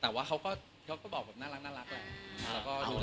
แต่ว่าเขาก็บอกหน้ารักหน้ารัก